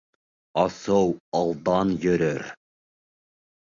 Асыу алдан йөрөр